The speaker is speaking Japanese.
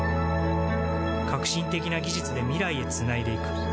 革新的な技術で未来へつないでいく